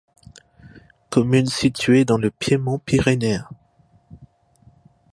Commune située dans le piémont pyrénéen.